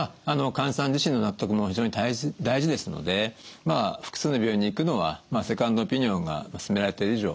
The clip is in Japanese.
患者さん自身の納得も非常に大事ですので複数の病院に行くのはセカンドオピニオンが勧められてる